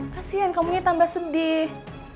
kasian kamu ini tambah sedih